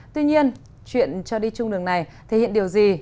tuy nhiên chuyện cho đi chung đường này thể hiện điều gì